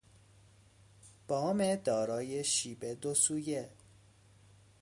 بام دارای شیب دو سویه